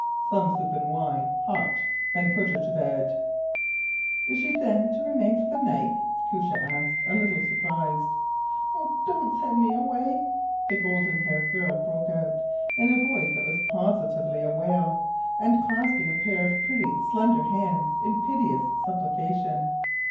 “Some soup and wine hot; and put her to bed.” “Is she then to remain for the night?” Koosje asked, a little surprised. “Oh, don’t send me away!” the golden haired girl broke out, in a voice that was positively a wail, and clasping a pair of pretty, slender hands in piteous supplication.